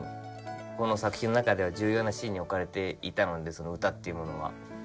この作品の中では重要なシーンに置かれていたのでその歌っていうものは。